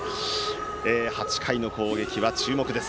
８回の攻撃は注目です。